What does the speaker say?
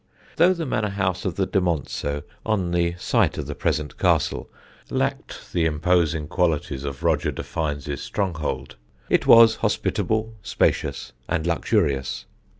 Though the Manor house of the de Monceux, on the site of the present castle, lacked the imposing qualities of Roger de Fiennes' stronghold, it was hospitable, spacious, and luxurious.